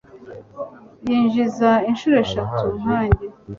yinjiza inshuro eshatu nkanjye